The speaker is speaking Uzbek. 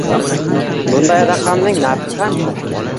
Bunday raqamning narxi qancha?